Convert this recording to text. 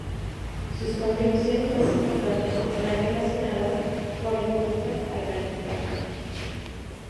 Sus contribuciones más importantes están relacionadas con encuestas a gran escala.